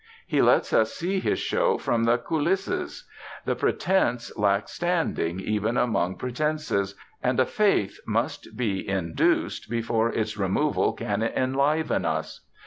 He lets us see his show from the coulisses. The pretense lacks standing even among pretenses, and a faith must be induced before its removal can enliven us.